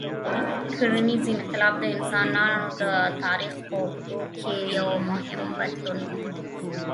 کرنيز انقلاب د انسانانو د تاریخ په اوږدو کې یو مهم بدلون و.